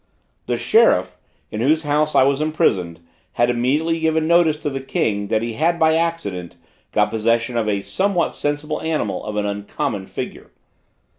The sheriff, in whose house I was imprisoned, had immediately given notice to the King that he had by accident got possession of a somewhat sensible animal of an uncommon figure.